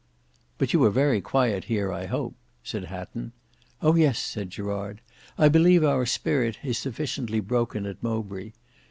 "But you are very quiet here I hope," said Hatton. "Oh! yes," said Gerard, "I believe our spirit is sufficiently broken at Mowbray.